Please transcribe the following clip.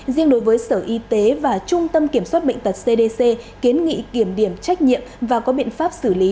riêng đối với sở y tế và trung tâm kiểm soát bệnh tật cdc kiến nghị kiểm điểm trách nhiệm và có biện pháp xử lý